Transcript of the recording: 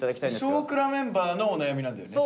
「少クラ」メンバーのお悩みなんだよね？